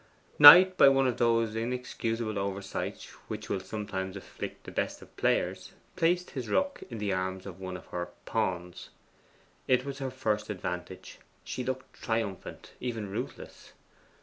Knight, by one of those inexcusable oversights which will sometimes afflict the best of players, placed his rook in the arms of one of her pawns. It was her first advantage. She looked triumphant even ruthless.